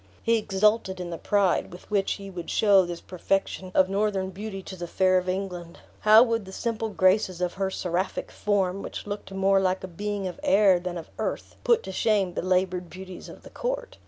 He exulted in the pride with which he would show this perfection of northern beauty to the fair of England; how would the simple graces of her seraphic form, which looked more like a being of air than of earth, put to shame the labored beauties of the court?